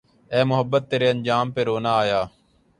اے محبت تیرے انجام پہ رونا آیا